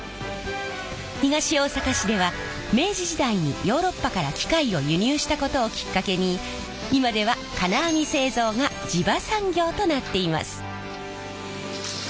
東大阪市では明治時代にヨーロッパから機械を輸入したことをきっかけに今では金網製造が地場産業となっています。